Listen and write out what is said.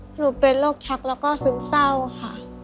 หนูเป็นโรคชักแล้วก็ซึมเศร้าค่ะ